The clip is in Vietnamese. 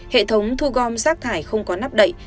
hệ thống thu gom rác thải không có nắp đậy